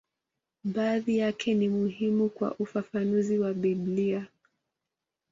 Baadhi yake ni muhimu kwa ufafanuzi wa Biblia.